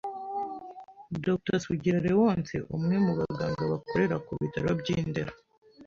Dr Sugira Leonce, umwe mu baganga bakorera ku bitaro by’i Ndera